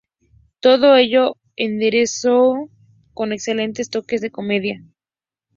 Todo ello aderezado con excelentes toques de comedia.